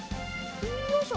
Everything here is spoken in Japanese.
よいしょ！